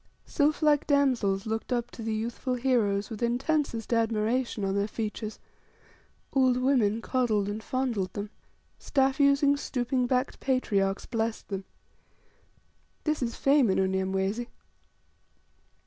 Sylphlike damsels looked up to the youthful heroes with intensest admiration on their features; old women coddled and fondled them; staff using, stooping backed patriarchs blessed them. This is fame in Unyamwezi!